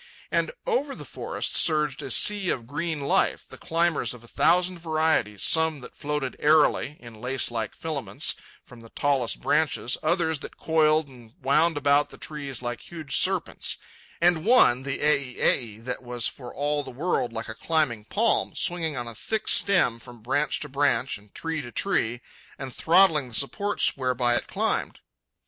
And over the forest surged a sea of green life, the climbers of a thousand varieties, some that floated airily, in lacelike filaments, from the tallest branches others that coiled and wound about the trees like huge serpents; and one, the ei ei, that was for all the world like a climbing palm, swinging on a thick stem from branch to branch and tree to tree and throttling the supports whereby it climbed.